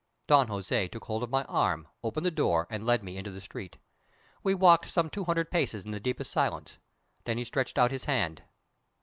Don Jose took hold of my arm, opened the door, and led me into the street. We walked some two hundred paces in the deepest silence. Then he stretched out his hand.